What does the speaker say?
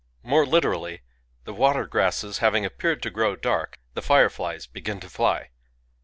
1 More literally :The water granes having appeared to grow dark, the fireflies begin to fly.